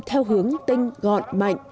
theo hướng tinh gọn mạnh